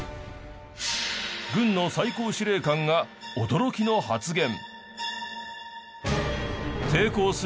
軍の最高司令官が驚きの発言。